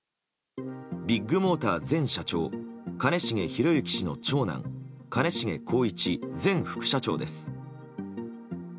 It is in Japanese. ビッグモーター前社長兼重宏行氏の長男兼重宏一前副社長です。